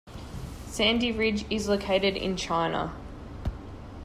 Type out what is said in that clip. Sandy Ridge is located in China.